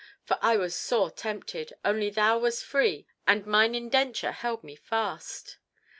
For I was sore tempted—only thou wast free, and mine indenture held me fast."